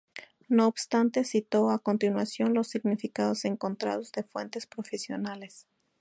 No obstante, cito a continuación los significados encontrados de fuentes profesionales.